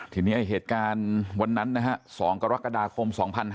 ทีนี้เหตุการณ์วันนั้นนะฮะ๒กรกฎาคม๒๕๕๙